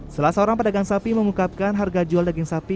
salah seorang pedagang sapi mengungkapkan harga jual daging sapi